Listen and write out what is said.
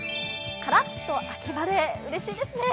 カラッと秋晴れ、うれしいですね。